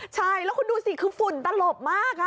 ใช่แล้วคุณดูสิคือฝุ่นตลบมาก